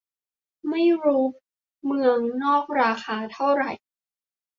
ไม่รู้เมืองนอกราคาเท่าไหร่